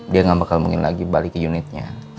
dia nggak bakal mungkin lagi balik ke unitnya